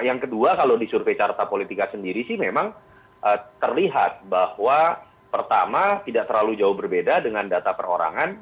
yang kedua kalau di survei carta politika sendiri sih memang terlihat bahwa pertama tidak terlalu jauh berbeda dengan data perorangan